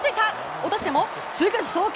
落としてもすぐ送球！